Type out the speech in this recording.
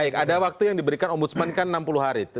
ya waktu yang diberikan ombudsman kan enam puluh hari